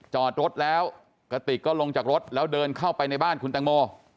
จอดรถแล้วกระติกก็ลงจากรถแล้วเดินเข้าไปในบ้านคุณแตงโม